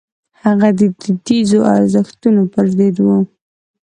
هغه د دودیزو ارزښتونو پر ضد و.